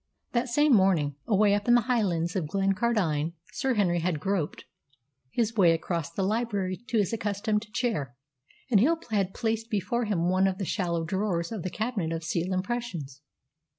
That same morning, away up in the Highlands at Glencardine, Sir Henry had groped his way across the library to his accustomed chair, and Hill had placed before him one of the shallow drawers of the cabinet of seal impressions.